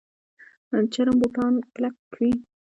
چرم بوټان کلک وي